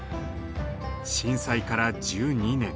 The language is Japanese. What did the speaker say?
震災から１２年。